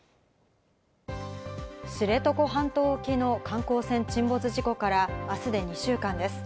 知床半島沖の観光船沈没事故から明日で２週間です。